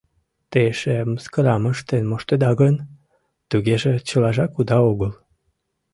— Те эше мыскарам ыштен моштеда гын, тугеже чылажак уда огыл.